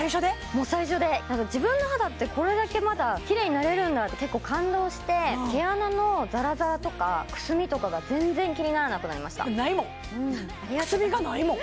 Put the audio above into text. もう最初で自分の肌ってこれだけまだキレイになれるんだって結構感動して毛穴のザラザラとかくすみとかが全然気にならなくなりましたないもんくすみがないもん